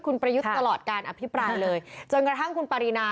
คุณประยุทธ์ตลอดการอภิปรายเลยจนกระทั่งคุณปารีนา